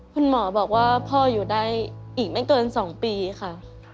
คุณหมอบอกว่าพ่ออยู่ได้อีกไม่เกิน๒ปีค่ะ